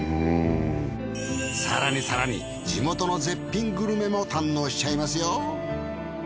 更に更に地元の絶品グルメも堪能しちゃいますよ！